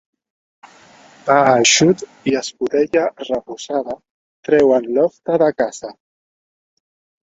Pa eixut i escudella reposada treuen l'hoste de casa.